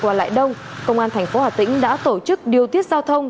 từ trưa qua đến nay trên địa bàn thành phố hà tĩnh đã tổ chức điều tiết giao thông